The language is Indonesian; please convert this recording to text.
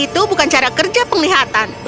itu bukan cara kerja penglihatan